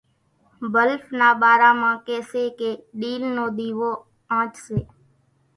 ڀلڦ نا ٻارا مان ڪي سي ڪي ڏِيل نو ۮيوو آنڇ سي۔